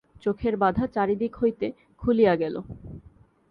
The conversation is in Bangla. চোখের বাধা চারিদিক হইতে খুলিয়া গেল।